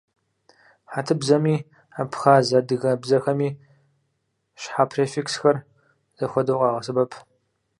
Хьэтыбзэми абхъаз-адыгэ бзэхэми щхьэ префиксхэр зэхуэдэу къагъэсэбэп.